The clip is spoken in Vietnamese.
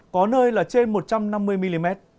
có nơi là trên một trăm năm mươi mm